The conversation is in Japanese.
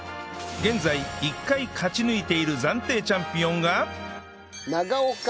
現在１回勝ち抜いている暫定チャンピオンが